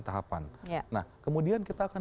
tahapan nah kemudian kita akan